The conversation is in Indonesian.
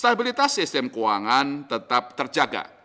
stabilitas sistem keuangan tetap terjaga